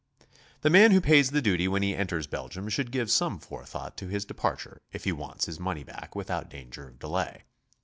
The man who pays the duty when he enters Belgium should give some forethought to his departure if he wants his money back without danger of delay.